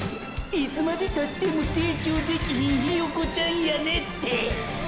いつまでたっても成長できひんヒヨコちゃんやねて！！